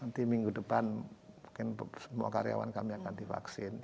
nanti minggu depan mungkin semua karyawan kami akan divaksin